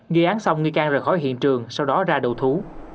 ghi án xong nhi can rời khỏi hiện trường sau đó ra đậu thú